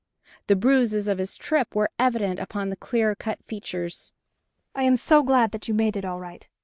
The bruises of his trip were evident upon the clear cut features. "I am so glad that you made it all right.